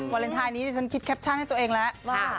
เวอเรนไทยนี้ก็จะคิดแคปชั่นตัวเองแล้ว